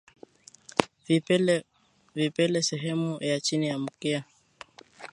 Vipele sehemu ya chini ya mkia